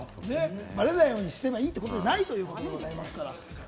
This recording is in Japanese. バレないようにすればいいっていうことじゃないってことですから。